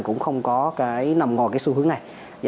cũng không có nằm ngòi xu hướng này